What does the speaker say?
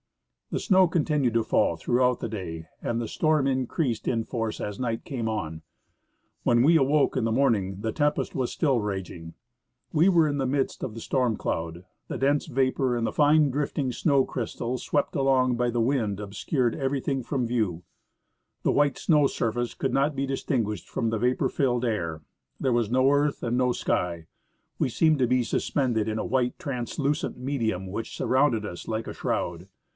The snow continued to fall throughout the day, and the storm increased in force as night came on. When we awoke in the m.orning the tempest was still raging. We were in the midst of the storm cloud ; the dense vapor and the fine drifting snow crystals swept along by the wind obscured everything from view ; the white snow surface could not be distinguished from the vapor filled air ; there was no earth and no sky ; we seemed to be suspended in a white, translucent medium which surrounded us like a shroud.